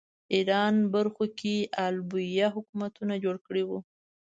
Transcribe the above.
ایران برخو کې آل بویه حکومتونه جوړ کړي وو